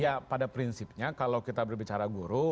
ya pada prinsipnya kalau kita berbicara guru